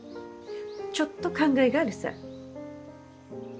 ちょっと考えがあるさ。